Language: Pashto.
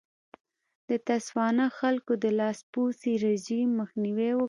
د تسوانا خلکو د لاسپوڅي رژیم مخنیوی وکړ.